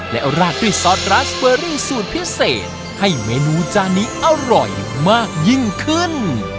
และเอาราดด้วยซอสสูตรพิเศษให้เมนูจานี้อร่อยมากยิ่งขึ้น